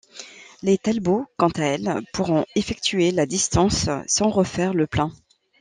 Les Talbot, quant à elles, pourront effectuer la distance sans refaire le plein.